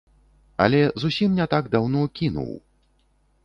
Але зусім не так даўно кінуў.